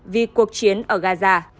vì cuộc chiến ở gaza